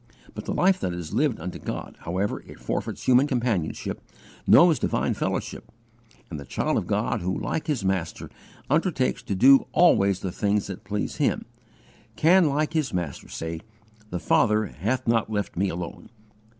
But the life that is lived unto God, however it forfeits human companionship, knows divine fellowship, and the child of God who like his Master undertakes to "do always the things that please Him," can like his Master say, "The Father hath not left me alone."